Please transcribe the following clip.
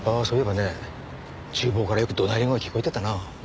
そういえばね厨房からよく怒鳴り声聞こえてたな。